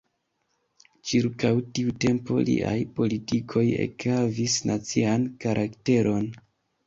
Ĉirkaŭ tiu tempo liaj politikoj ekhavis nacian karakteron.